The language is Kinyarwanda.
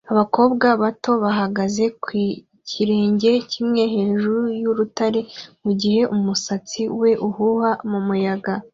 Abakobwa bato bahagaze ku kirenge kimwe hejuru y'urutare mugihe umusatsi we uhuha mumuyaga